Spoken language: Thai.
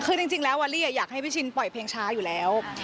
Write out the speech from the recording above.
ก็จริงแล้ววันนี้อยากให้พี่ชิริญ่ปล่อยเพลงช้าอยู่แล้ว